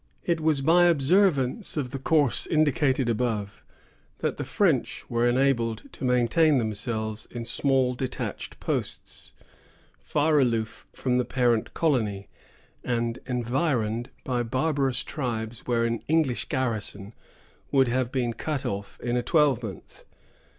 It was by observance of the course indicated above, that the French were enabled to maintain themselves in small detached posts, far aloof from the parent colony, and environed by barbarous tribes where an English garrison would have been cut off in a twelvemonth.